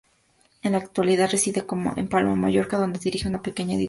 En la actualidad reside en Palma de Mallorca, donde dirige una pequeña editorial.